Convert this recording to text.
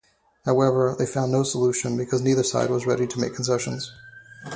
However, they found no solution, because neither side was ready to make concessions.